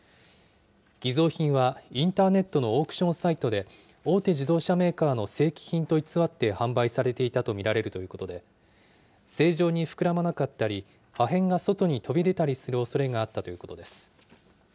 偽造品はインターネットのオークションサイトで、大手自動車メーカーの正規品と偽って販売されていたと見られるということで、正常に膨らまなかったり、破片が外に飛び出たりするおそれがあったということです。